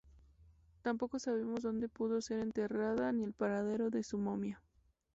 Tampoco sabemos dónde pudo ser enterrada ni el paradero de su momia.